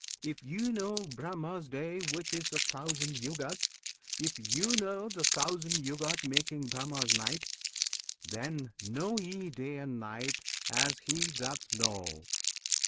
If ye know Brahma's Day Which is a thousand Yugas; if ye know The thousand Yugas making Brahma's Night, Then know ye Day and Night as He doth know!